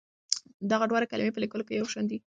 دغه دواړه کلمې په لیکلو کې یو شان دي.